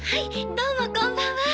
どうもこんばんは。